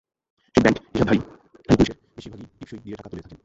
এসব ব্যাংক হিসাবধারী নারী-পুরুষের বেশির ভাগই টিপসই দিয়ে টাকা তুলে থাকেন।